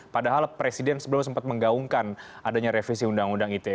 padahal presiden sebelumnya sempat menggaungkan adanya revisi undang undang ite